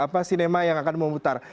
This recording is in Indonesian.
apa sinema yang akan memutar